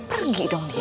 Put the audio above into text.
berarti pergi dong dia